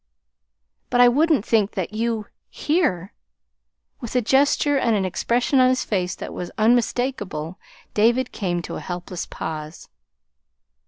But I wouldn't think that YOU HERE " With a gesture, and an expression on his face that were unmistakable, David came to a helpless pause.